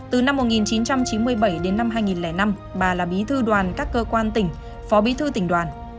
từ năm một nghìn chín trăm chín mươi bảy đến năm hai nghìn năm bà là bí thư đoàn các cơ quan tỉnh phó bí thư tỉnh đoàn